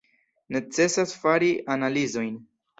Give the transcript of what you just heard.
Necesas fari analizojn.